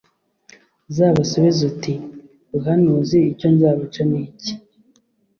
uzabasubize uti buhanuzi icyo nzabaca ni iki‽